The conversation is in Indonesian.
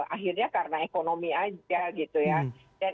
akhirnya karena ekonomi aja gitu ya